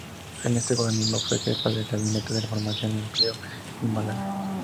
En este organismo fue jefa de Gabinete de Formación y Empleo en Málaga.